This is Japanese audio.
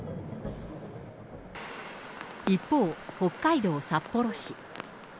一方、北海道札幌市。